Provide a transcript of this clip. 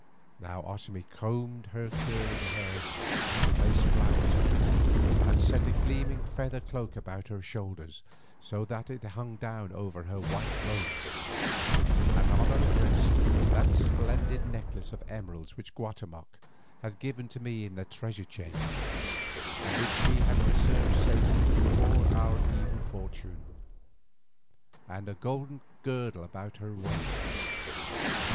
Now Otomie combed her curling hair and placed flowers in it, and set a gleaming feather cloak about her shoulders, so that it hung down over her white robes, and on her breast that splendid necklace of emeralds which Guatemoc had given to me in the treasure chamber, and which she had preserved safely through all our evil fortune, and a golden girdle about her waist.